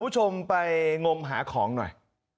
คุณผู้ชมไปงมหาของหน่อย